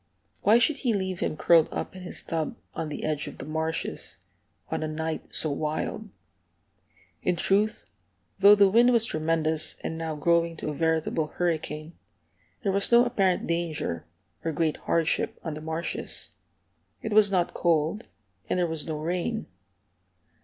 Why should he leave him curled up in his tub on the edge of the marshes, on a night so wild? In truth, though the wind was tremendous, and now growing to a veritable hurricane, there was no apparent danger or great hardship on the marshes. It was not cold, and there was no rain.